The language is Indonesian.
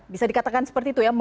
bisa dikatakan seperti itu ya